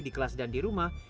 di kelas dan di rumah